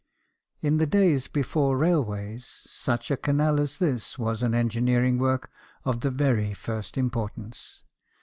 In the days before railways, such a canal as this was an engineering work of the very first importance.